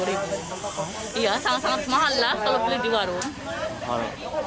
iya sangat sangat mahal lah kalau beli di warung